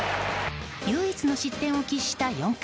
唯一の失点を喫した４回。